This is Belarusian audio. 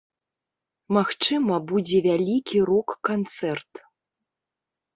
Магчыма, будзе вялікі рок-канцэрт.